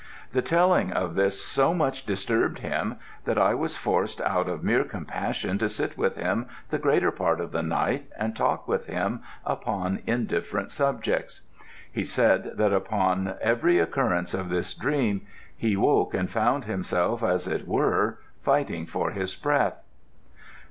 The telling of this so much disturbed him that I was forced out of mere compassion to sit with him the greater part of the night and talk with him upon indifferent subjects. He said that upon every recurrence of this dream he woke and found himself, as it were, fighting for his breath."